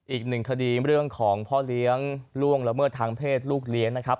อีกหนึ่งคดีเรื่องของพ่อเลี้ยงล่วงละเมิดทางเพศลูกเลี้ยงนะครับ